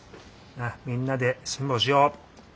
みんなで辛抱しよう。